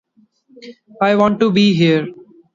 I want to be here.